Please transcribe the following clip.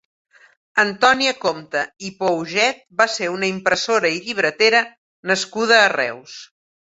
Antònia Compte i Pouget va ser una impressora i llibretera nascuda a Reus.